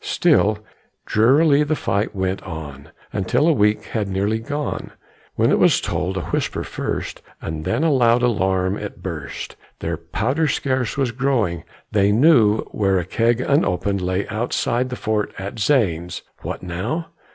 Still, drearily the fight went on Until a week had nearly gone, When it was told a whisper first, And then in loud alarm it burst Their powder scarce was growing; they Knew where a keg unopened lay Outside the fort at Zane's what now?